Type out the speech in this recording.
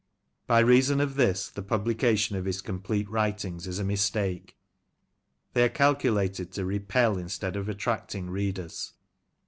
By reason of this, the publication of his complete writings is a mistake. They are calculated to repel instead of attracting readers.